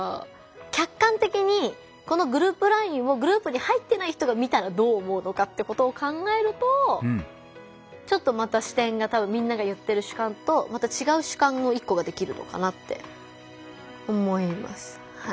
客観的にこのグループＬＩＮＥをグループに入ってない人が見たらどう思うのかってことを考えるとちょっとまた視点がみんなが言ってる主観とまた違う主観の一個ができるのかなって思います。